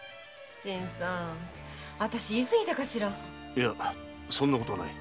いやそんなことはない。